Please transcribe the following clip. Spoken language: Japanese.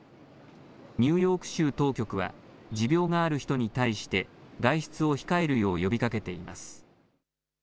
ニューヨーク州当局は持病がある人に対して外出を控えるよう呼びかけています。